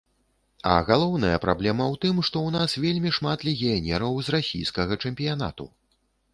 А галоўная праблема ў тым, што ў нас вельмі шмат легіянераў з расійскага чэмпіянату.